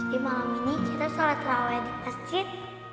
jadi malam ini kita sholat taraweh di masjid